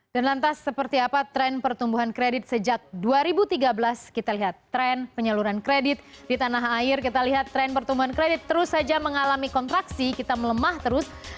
dan lantas seperti apa tren pertumbuhan kredit sejak dua ribu tiga belas kita lihat tren penyaluran kredit di tanah air kita lihat tren pertumbuhan kredit terus saja mengalami kontraksi kita melemah terus